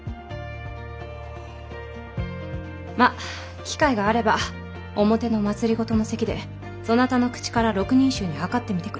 まぁ機会があれば表の政の席でそなたの口から６人衆にはかってみてくれ。